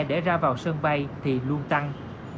để ra vào sân bay thì luôn tăng